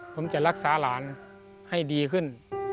ผมจะรักษาหลานให้ดีขึ้น